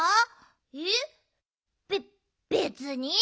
えっべっべつに。